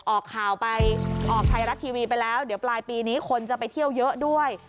ออกข่าวไปออกไทยรัฐทีวีไปแล้วเดี๋ยวปลายปีนี้คนจะไปเที่ยวเยอะด้วย